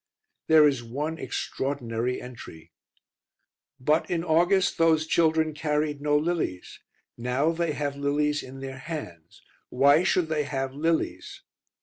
There is one extraordinary entry: "But in August those children carried no lilies; now they have lilies in their hands. Why should they have lilies?"